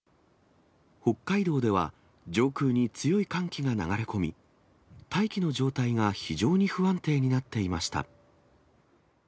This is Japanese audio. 北海道では上空に強い寒気が流れ込み、大気の状態が非常に不安定になっていました。